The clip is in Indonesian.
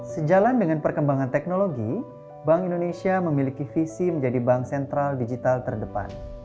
sejalan dengan perkembangan teknologi bank indonesia memiliki visi menjadi bank sentral digital terdepan